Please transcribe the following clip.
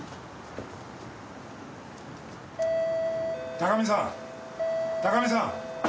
高見さん高見さん。